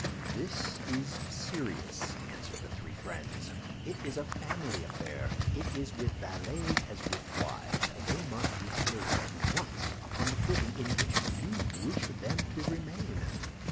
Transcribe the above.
"This is serious," answered the three friends; "it is a family affair. It is with valets as with wives, they must be placed at once upon the footing in which you wish them to remain.